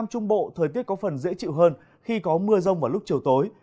trung bộ thời tiết có phần dễ chịu hơn khi có mưa rông vào lúc chiều tối